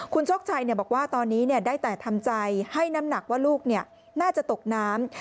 คุณโชคชัยบอกว่าตอนนี้ได้แต่ทำใจให้น้ำหนักว่าลูกน่าจะตกน้ำ